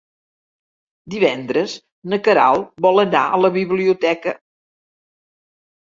Divendres na Queralt vol anar a la biblioteca.